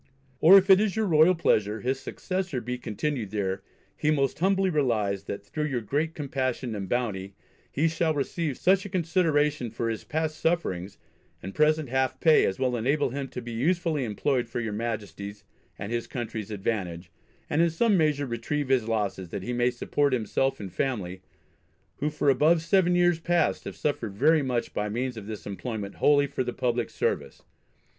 Or if it is your royal pleasure his successor be continued there, he most humbly relies, that through your great compassion and bounty he shall receive such a consideration for his past sufferings and present half pay as will enable him to be usefully employed for your Majesty's and his country's advantage, and in some measure retrieve his losses, that he may support himself and family, who for above seven years past have suffered very much by means of this employment wholly for the public service.